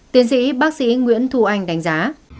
tiến sĩ bác sĩ nguyễn thu anh đánh giá